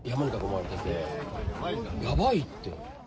やばいって。